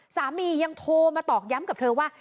สามียังโทรมาตอกย้ำกับเธอว่า